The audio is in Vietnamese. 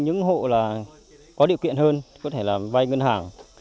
những hộ có điều kiện hơn có thể là vai ngân hàng